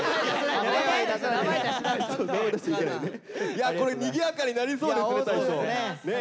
いやこれにぎやかになりそうですね大昇。